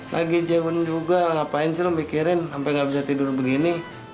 lagi jauhin juga ngapain sih lu mikirin sampai nggak bisa tidur begini